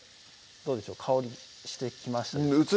どうでしょう香りしてきましたでしょうか？